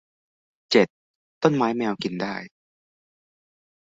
เจ็ด ต้นไม้แมวกินได้